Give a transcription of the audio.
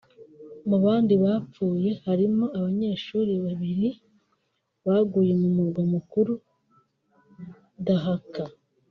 Mu bandi bapfuye harimo abanyeshuri babiri baguye mu murwa mukuru Dhaka